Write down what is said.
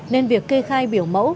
nên việc kê khai biểu mẫu